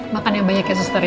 makan yang banyak ya suster ya